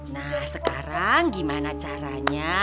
nah sekarang gimana caranya